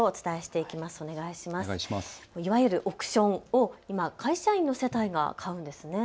いわゆる億ション、会社員の世帯が買うんですね。